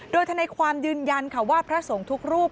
โดยธนายความยืนยันค่ะว่าพระสงฆ์ทุกรูป